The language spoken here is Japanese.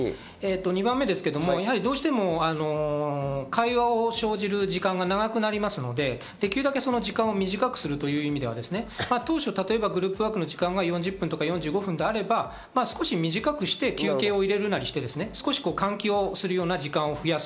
２番目ですけど、どうしても会話を生じる時間が長くなりますのでできるだけその時間を短くするという意味では当初、例えばグループワークの時間が４０分や４５分であれば、少し短くして休憩を入れるなりして少し換気をする時間を増やす。